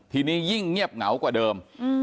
ทีนี้ยิ่งเงียบเหงากว่าเดิม